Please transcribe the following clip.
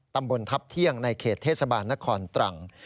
ตำบลทัพเที่ยงในเขตเทศบาลนครตรัง